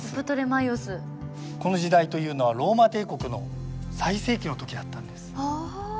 この時代というのはローマ帝国の最盛期のときだったんです。